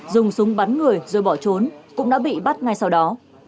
dùng súng bắn người rồi bỏ trốn cũng đã bị bắt ngay sau đó